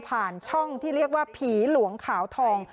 ช่องที่เรียกว่าผีหลวงขาวทอง